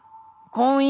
婚姻！？